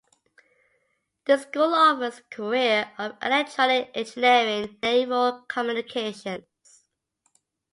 This school offers career of Electronic Engineering and Naval Communications.